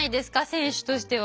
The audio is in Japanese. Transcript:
選手としては。